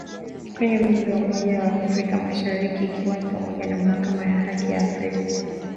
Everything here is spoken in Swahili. Kwenye vyombo vya umoja wa Afrika mashariki ikiwa ni pamoja na Mahakama ya Haki ya Afrika